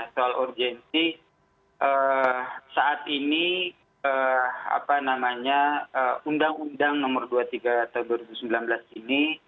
soal urgensi saat ini undang undang nomor dua puluh tiga tahun dua ribu sembilan belas ini